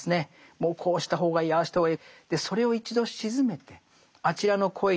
もうこうした方がいいああした方がいい。